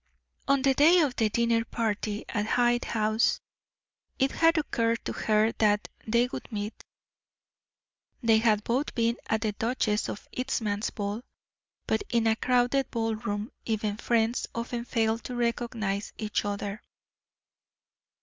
On the day of the dinner party at Hyde House it had occurred to her that they would meet. They had both been at the Duchess of Eastham's ball, but in a crowded ball room even friends often failed to recognize each other.